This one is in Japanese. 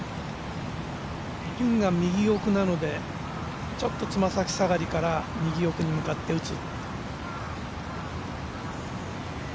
ピンが右奥なので、ちょっと爪先下がりから右奥に向かって打つ。